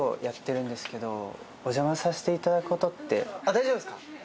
大丈夫ですか？